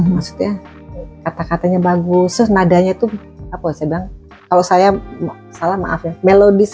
maksudnya kata katanya bagus nadanya tuh apa saya bilang kalau saya salah maaf ya melodis